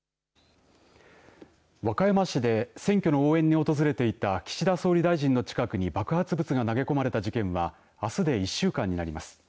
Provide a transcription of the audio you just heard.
和歌山市で選挙の応援に訪れていた岸田総理大臣の近くに爆発物が投げ込まれた事件はあすで１週間になります。